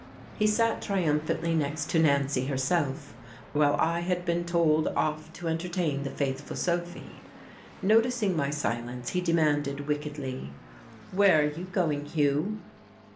He sat triumphantly next to Nancy herself, while I had been told off to entertain the faithful Sophy. Noticing my silence, he demanded wickedly: "Where are you going, Hugh?"